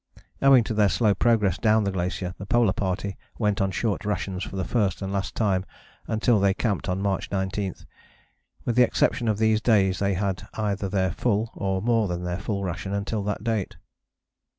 Owing to their slow progress down the glacier the Polar Party went on short rations for the first and last time until they camped on March 19: with the exception of these days they had either their full, or more than their full ration until that date.